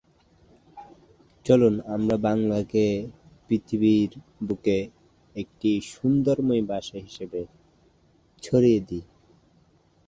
এই মন্দিরগুলি উত্তর ও মধ্য ভারতের উত্তরপ্রদেশ ও মধ্যপ্রদেশ থেকে পূর্ব ভারতের ওডিশা রাজ্যের মধ্যে ছড়িয়ে ছিটিয়ে রয়েছে।